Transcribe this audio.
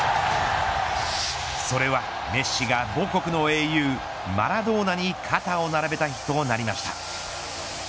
それはメッシが母国の英雄マラドーナに肩を並べた日となりました。